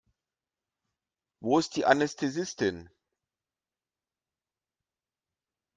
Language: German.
Wo ist die Anästhesistin?